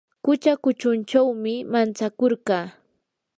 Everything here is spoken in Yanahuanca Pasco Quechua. qucha kuchunchawmi mantsakurqaa.